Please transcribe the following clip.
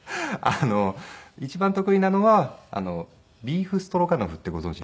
一番得意なのはビーフストロガノフってご存じ。